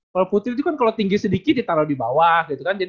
kalo putri itu kan kalo tinggi sedikit ditaro di bawah